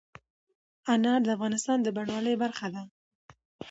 انار د افغانستان د بڼوالۍ برخه ده.